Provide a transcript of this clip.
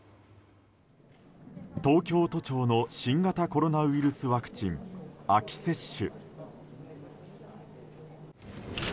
東京都庁の新型コロナウイルスワクチン秋接種。